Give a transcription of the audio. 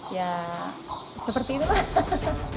ya seperti itu lah